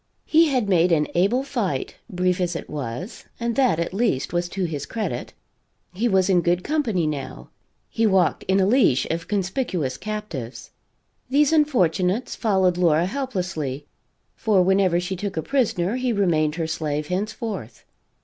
He had made an able fight, brief as it was, and that at least was to his credit. He was in good company, now; he walked in a leash of conspicuous captives. These unfortunates followed Laura helplessly, for whenever she took a prisoner he remained her slave henceforth.